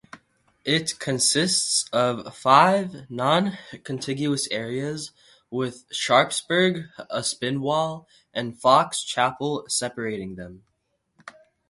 It consists of five non-contiguous areas, with Sharpsburg, Aspinwall and Fox Chapel separating them.